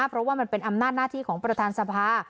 เพราะว่ามันเป็นอำนาจหน้าที่ของประธานสภา